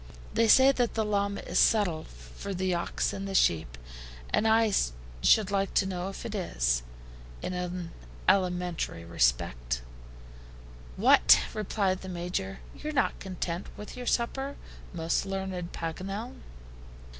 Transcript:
They say that the llama is substitute for the ox and the sheep, and I should like to know if it is, in an alimentary respect." "What!" replied the Major. "You're not content with your supper, most learned Paganel."